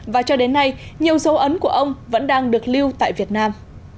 và cho đến nay nhiều dấu ấn của ông vẫn đang được lưu tại việt nam